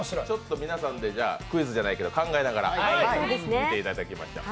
皆さんでクイズじゃないけど、考えながら見ていただきましょう。